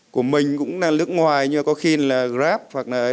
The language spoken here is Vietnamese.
của mình cũng là nước ngoài như có khi là grab hoặc là